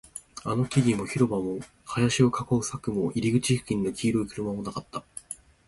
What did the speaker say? あの木々も、広場も、林を囲う柵も、入り口付近の黄色い車もなかった